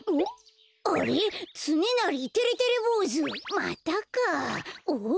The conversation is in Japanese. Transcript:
またかん？